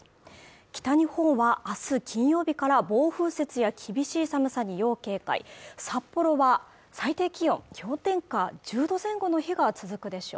北日本はあす金曜日から暴風雪や厳しい寒さに要警戒札幌は最低気温氷点下１０度前後の日が続くでしょう